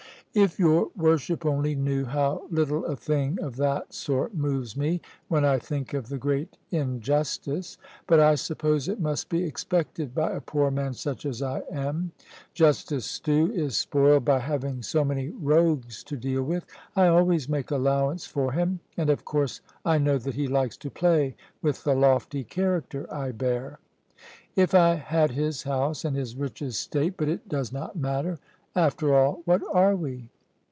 "If your worship only knew how little a thing of that sort moves me when I think of the great injustice. But I suppose it must be expected by a poor man such as I am. Justice Stew is spoiled by having so many rogues to deal with. I always make allowance for him; and of course I know that he likes to play with the lofty character I bear. If I had his house and his rich estate but it does not matter after all, what are we?"